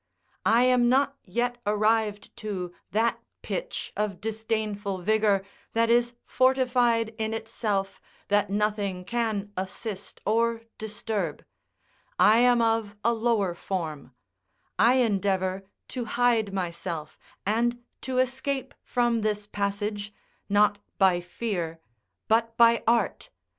I am not yet arrived to that pitch of disdainful vigour that is fortified in itself, that nothing can assist or disturb; I am of a lower form; I endeavour to hide myself, and to escape from this passage, not by fear, but by art.